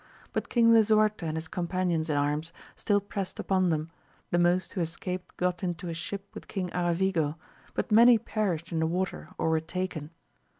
But King Idsuarte and his companions in arms, still pressed upon them ; the most who escaped got into a ship with King Aravigo, but many perished in the water orl were taken.